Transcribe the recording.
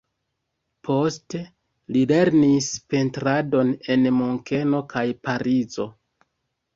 Poste li lernis pentradon en Munkeno kaj Parizo.